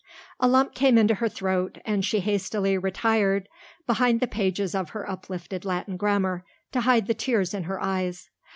A lump came into her throat, and she hastily retired behind the pages of her uplifted Latin grammar to hide the tears in her eyes.